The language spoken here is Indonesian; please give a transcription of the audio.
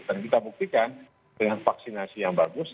dan kita buktikan dengan vaksinasi yang bagus